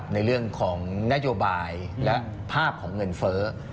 ในเรื่องของนโยบายและภาพของเงินเฟ้อ